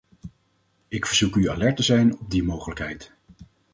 Ik verzoek u alert te zijn op die mogelijkheid.